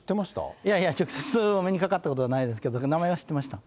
いやいや、直接お目にかかったことはないですけど、名前は知っていました。